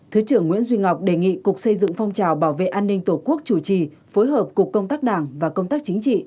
thứ trưởng nguyễn duy ngọc đề nghị cục xây dựng phong trào bảo vệ an ninh tổ quốc chủ trì phối hợp cục công tác đảng và công tác chính trị